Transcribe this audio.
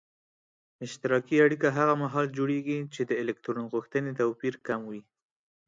اشتراکي اړیکه هغه محال جوړیږي چې د الکترون غوښتنې توپیر کم وي.